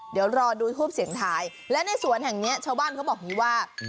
เดี๋ยวรอดูภูมิเสียงถ่ายและในสวนแห่งนี้ชาวบ้านเขาบอกว่า